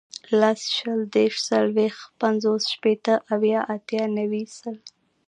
لس, شل, دېرس, څلوېښت, پنځوس, شپېته, اویا, اتیا, نوي, سل